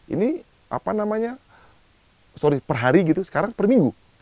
ini apa namanya sorry per hari gitu sekarang per minggu